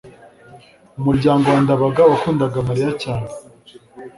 umuryango wa ndabaga wakundaga mariya cyane